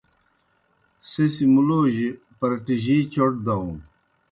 سہ سیْ مُلوجیْ پرٹِجِی چوْٹ داؤن۔